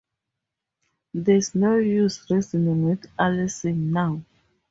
There’s no use reasoning with Alison now.